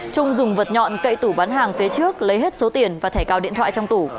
trung dùng vật nhọn cậy tủ bán hàng phía trước lấy hết số tiền và thẻ cào điện thoại trong tủ